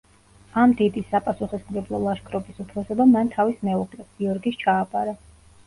ამ დიდი, საპასუხისმგებლო ლაშქრობის უფროსობა მან თავის მეუღლეს, გიორგის ჩააბარა.